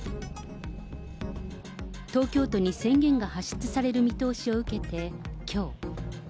東京都に宣言が発出される見通しを受けて、きょう。